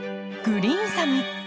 グリーンサム。